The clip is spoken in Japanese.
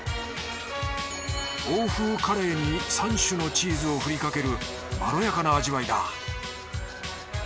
欧風カレーに３種のチーズをふりかけるまろやかな味わいだ。